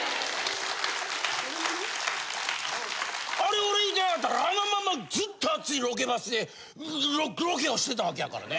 あれ俺いてなかったらあのままずっと暑いロケバスでロケをしてた訳やからね。